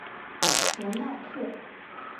索纳克。